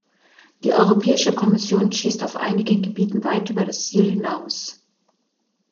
Die Europäische Kommission schießt auf einigen Gebieten weit über das Ziel hinaus.